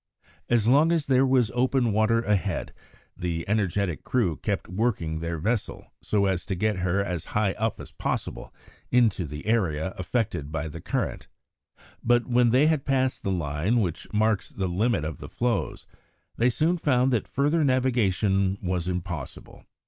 As long as there was open water ahead the energetic crew kept working their vessel so as to get her as high up as possible into the area affected by the current; but when they had passed the line which marks the limit of the floes, they soon found that further navigation was impossible.